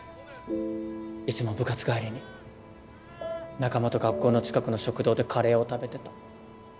いつも部活帰りに仲間と学校の近くの食堂でカレーを食べてた。